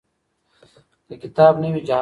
که کتاب نه وي جهالت وي.